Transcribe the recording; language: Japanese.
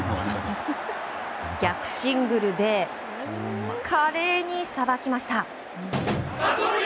逆シングルで華麗にさばきました。